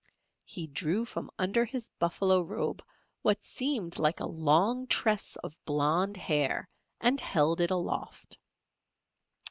He drew from under his buffalo robe what seemed like a long tress of blond hair, and held it aloft.